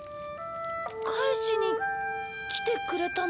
返しに来てくれたの？